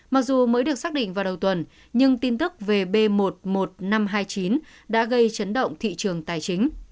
mặc dù mới được xác định vào đầu tuần nhưng tin tức về b một mươi một nghìn năm trăm hai mươi chín đã gây chấn động thị trường tài chính